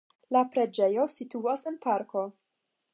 La preĝejo situas en parko.